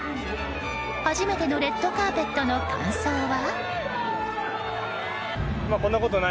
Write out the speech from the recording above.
初めてのレッドカーペットの感想は？